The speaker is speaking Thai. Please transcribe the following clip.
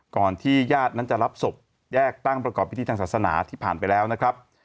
ก่อนที่ญาตินั้นจะรับศพแยกตั้งประกอบพิธีทางศาสนาที่ผ่านไปแล้วนะครับ